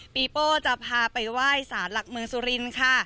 โป้จะพาไปไหว้สารหลักเมืองสุรินทร์ค่ะ